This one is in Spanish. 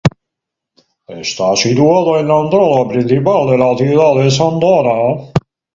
Está situado en la entrada principal de la ciudad de Santa Ana.